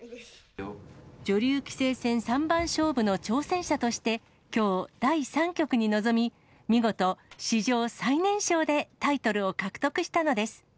女流棋聖戦三番勝負の挑戦者として、きょう、第３局に臨み、見事、史上最年少でタイトルを獲得したのです。